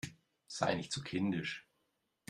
Sei nicht so kindisch!